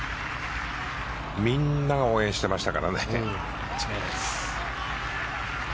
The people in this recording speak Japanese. みんなが応援してましたからね。